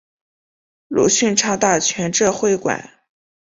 鲁迅常到全浙会馆。